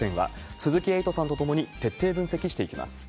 鈴木エイトさんと共に、徹底分析していきます。